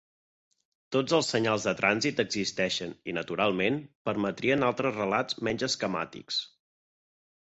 Tots els senyals de trànsit existeixen i, naturalment, permetrien altres relats menys esquemàtics.